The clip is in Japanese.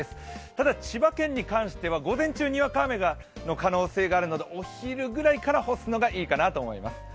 ただ、千葉県に関しては、午前中にわか雨の可能性があるので、お昼ぐらいから干すのがいいかなと思います。